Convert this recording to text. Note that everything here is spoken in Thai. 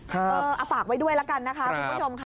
เอาฝากไว้ด้วยแล้วกันนะคะคุณผู้ชมค่ะ